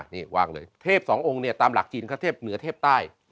นี่วางเลยเทพสององค์เนี่ยตามหลักจีนเขาเทพเหนือเทพใต้